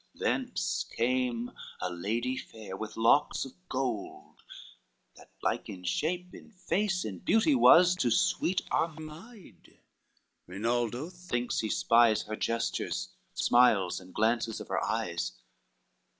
Thence came a lady fair with locks of gold, That like in shape, in face and beauty was To sweet Armide; Rinaldo thinks he spies Her gestures, smiles, and glances of her eyes.